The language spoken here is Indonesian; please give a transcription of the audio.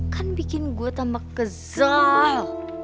kan bikin gue tambah kesel